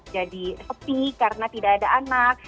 jadi sepi karena tidak ada anak